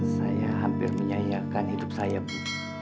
saya hampir menyayangkan hidup saya bu